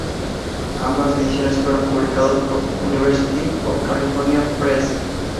Ambas ediciones fueron publicadas por University of California Press.